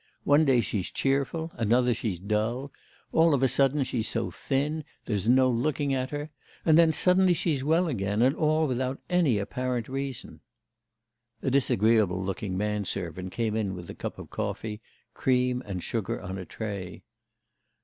One day she's cheerful, another she's dull; all of a sudden she's so thin there's no looking at her, and then suddenly she's well again, and all without any apparent reason ' A disagreeable looking man servant came in with a cup of coffee, cream and sugar on a tray.